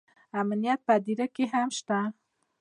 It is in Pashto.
امنیت په هدیره کې هم شته